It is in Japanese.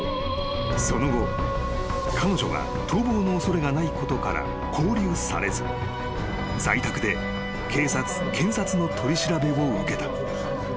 ［その後彼女は逃亡の恐れがないことから勾留されず在宅で警察検察の取り調べを受けた］